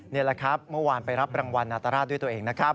นี่แหละครับเมื่อวานไปรับรางวัลนาตราชด้วยตัวเองนะครับ